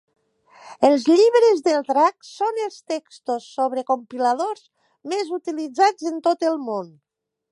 Els llibres del drac són els textos sobre compiladors més utilitzats en tot el món.